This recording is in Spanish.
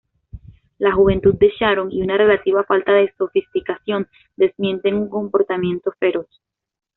La juventud de Sharon y una relativa falta de sofisticación desmienten un comportamiento feroz.